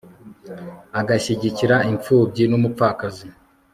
agashyigikira impfubyi n'umupfakazi